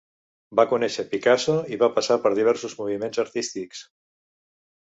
Va conèixer Picasso i va passar per diversos moviments artístics.